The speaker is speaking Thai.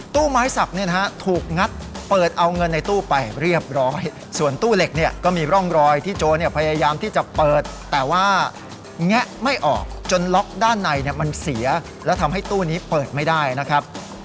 ไม้สักเนี่ยนะฮะถูกงัดเปิดเอาเงินในตู้ไปเรียบร้อยส่วนตู้เหล็กเนี่ยก็มีร่องรอยที่โจรพยายามที่จะเปิดแต่ว่าแงะไม่ออกจนล็อกด้านในมันเสียแล้วทำให้ตู้นี้เปิดไม่ได้นะครับ